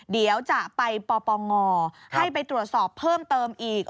เดี๋ยวจะไปปปงให้ไปตรวจสอบเพิ่มเติมอีก